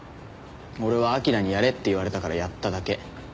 俺は彬にやれって言われたからやっただけ。